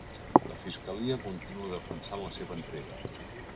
La fiscalia continua defensant la seva entrega.